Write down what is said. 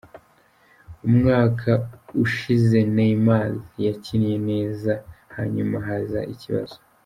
Umwaka ushize Neymar yakinnye neza hanyuma haza ikibazo.